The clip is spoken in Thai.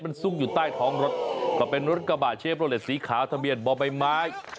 มันซุกอยู่ใต้ท้องรถก็เป็นรถกระบะเชฟโลเลสสีขาวทะเบียนบ่อใบไม้